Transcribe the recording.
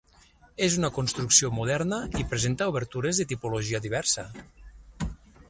És una construcció moderna i presenta obertures de tipologia diversa.